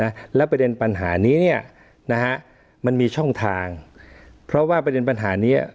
นะแล้วประเด็นปัญหานี้เนี้ยนะฮะมันมีช่องทางเพราะว่าประเด็นปัญหาเนี้ย